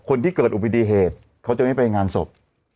คนที่เกิดอุบัติเหตุเขาจะไม่ไปงานศพ